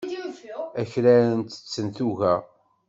Akraren ttetten tuga.